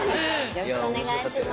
よろしくお願いします。